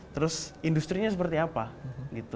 terus industri nya seperti apa gitu